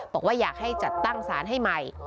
บอกว่าอยากให้จัดตั้งสารให้ใหม่